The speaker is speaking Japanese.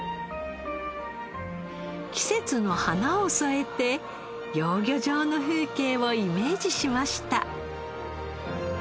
季節の花を添えて養魚場の風景をイメージしました。